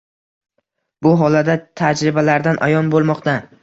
Bu holatda, tajribalardan ayon bo‘lmoqda